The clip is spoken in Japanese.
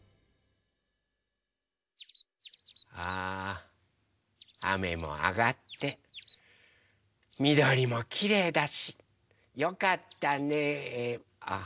ああめもあがってみどりもきれいだしよかったねえあ。